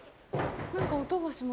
何か音がしますね。